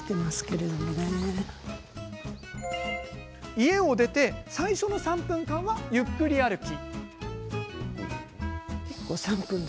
家を出て最初の３分間はゆっくり歩き。